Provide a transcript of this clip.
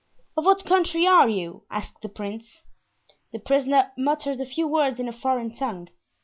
"Of what country are you?" asked the prince. The prisoner muttered a few words in a foreign tongue.